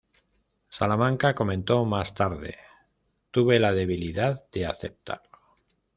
Salamanca comentó más tarde: "Tuve la debilidad de aceptarlo".